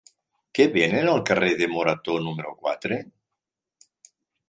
Què venen al carrer de Morató número quatre?